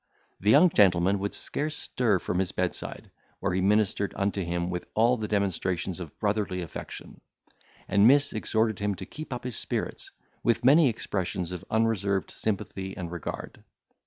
The young gentleman would scarce stir from his bedside, where he ministered unto him with all the demonstrations of brotherly affection; and Miss exhorted him to keep up his spirits, with many expressions of unreserved sympathy and regard.